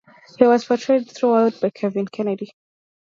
He was portrayed throughout by Kevin Kennedy.